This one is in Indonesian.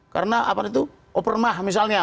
karena apa itu oper mah misalnya